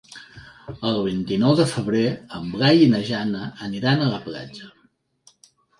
El vint-i-nou de febrer en Blai i na Jana aniran a la platja.